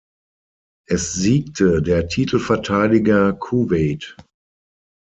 Es siegte der Titelverteidiger Kuwait.